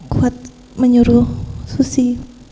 kuat menyuruh susi